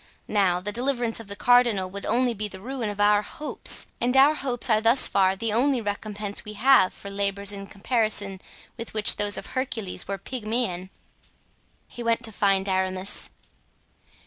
Now, the deliverance of the cardinal would be the ruin of our hopes; and our hopes are thus far the only recompense we have for labors in comparison with which those of Hercules were pygmean." He went to find Aramis.